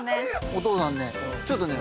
お父さんね。